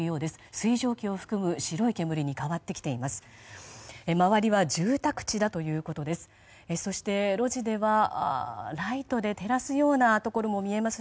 水蒸気を含む白い煙に変わってきています。